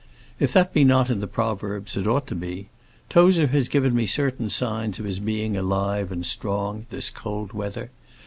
If that be not in the Proverbs, it ought to be. Tozer has given me certain signs of his being alive and strong this cold weather.